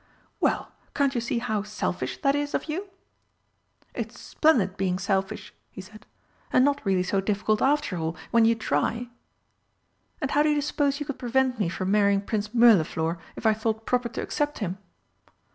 "Well, can't you see how selfish that is of you?" "It's splendid being selfish," he said, "and not really so difficult after all when you try." "And how do you suppose you could prevent me from marrying Prince Mirliflor if I thought proper to accept him?"